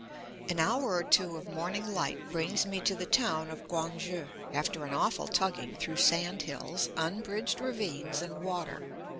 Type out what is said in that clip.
An hour or two of morning light brings me to the town of Quang shi, after an awful tugging through sand hills, unbridged ravines and water.